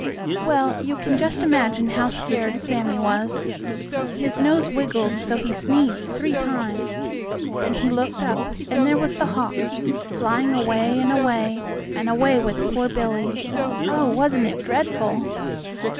Well, you can just imagine how scared Sammie was. His nose wiggled so he sneezed three times. Then he looked up, and there was the hawk, flying away, and away, and away with poor Billie. Oh, wasn't it dreadful!